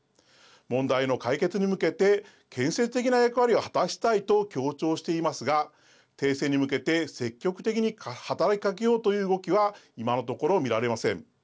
問題の解決に向けて建設的な役割を果たしたいと強調していますが停戦に向けて積極的に働きかけようという動きは今のところ見られません。